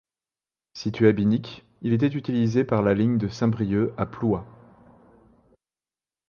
Situé à Binic, il était utilisé par la ligne de Saint-Brieuc à Plouha.